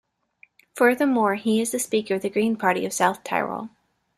Furthermore, he is speaker of the Green Party of South Tyrol.